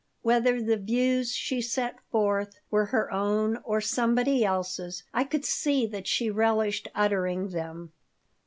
Whether the views she set forth were her own or somebody else's, I could see that she relished uttering them.